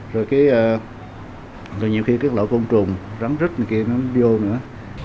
rồi nhiều khi cái lỗ côn trùng rắn rít này kia nó vô nữa